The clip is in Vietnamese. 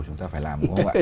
chúng ta phải làm đúng không ạ